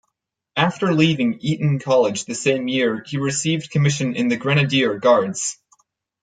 After leaving Eton College the same year, he received commission in the Grenadier Guards.